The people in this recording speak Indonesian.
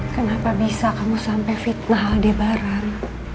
kenapa bisa kamu sampai fitnah hal dia bareng